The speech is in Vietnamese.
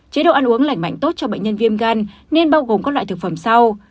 chế độ ăn uống lành mạnh tốt cho bệnh nhân viêm gan nên bao gồm các loại thực phẩm sau